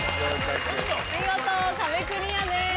見事壁クリアです。